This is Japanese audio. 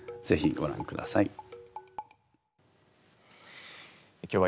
ぜひごらんください。